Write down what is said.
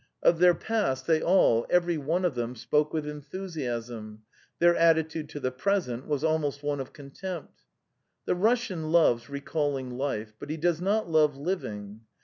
Of their 240 The Tales of Chekhov past they all—every one of them — spoke with enthusiasm; their attitude to the present was almost one of contempt. The Russian loves recalling life, but he does not love living.